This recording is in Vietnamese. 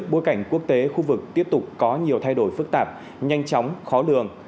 bối cảnh quốc tế khu vực tiếp tục có nhiều thay đổi phức tạp nhanh chóng khó lường